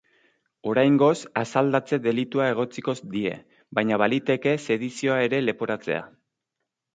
Oraingoz, asaldatze delitua egotziko die, baina baliteke sedizioa ere leporatzea.